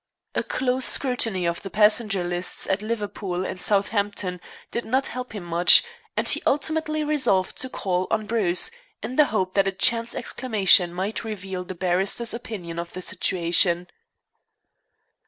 A close scrutiny of the passenger lists at Liverpool and Southampton did not help him much, and he ultimately resolved to call on Bruce, in the hope that a chance exclamation might reveal the barrister's opinion of the situation.